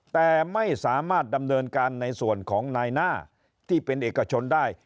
แต่ไม่สามารถดำเนินการในส่วนของนายหน้าที่เป็นเอกชนได้